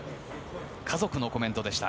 家族のコメントでした。